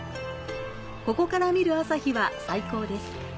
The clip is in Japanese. ここから見る朝日は最高です。